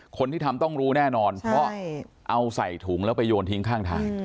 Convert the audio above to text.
คนที่ทำต้องรู้แน่นอนเพราะเอาใส่ถุงแล้วไปโยนทิ้งข้างทาง